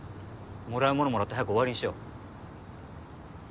貰うもの貰って早く終わりにしよう。